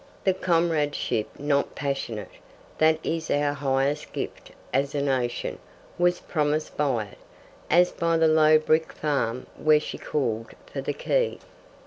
The comradeship, not passionate, that is our highest gift as a nation, was promised by it, as by the low brick farm where she called for the key.